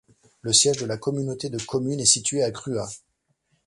Le siège de la communauté de communes est situé à Cruas.